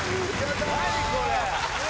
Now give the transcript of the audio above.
何⁉これ！